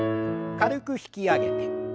軽く引き上げて。